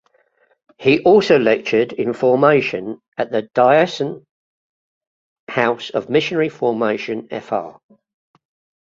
He also lectured in formation at the Diocesan House of Missionary Formation Fr.